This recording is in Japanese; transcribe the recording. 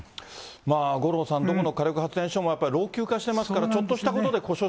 五郎さん、どこの火力発電所もやっぱり老朽化してますから、ちょっとしたこ